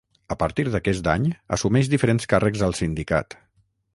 A partir d'aquest any assumeix diferents càrrecs al sindicat.